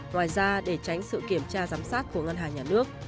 ngoài ra để tránh sự kiểm tra giám sát của ngân hàng nhà nước